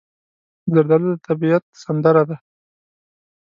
زردالو د طبیعت سندره ده.